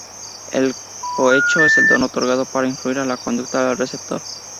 El cohecho es el don otorgado para influir en la conducta del receptor.